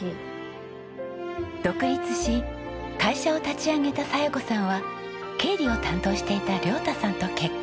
独立し会社を立ち上げた佐代子さんは経理を担当していた亮太さんと結婚。